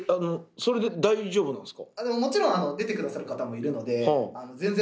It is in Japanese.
それで大丈夫なんですか？